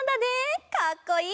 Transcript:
かっこいい！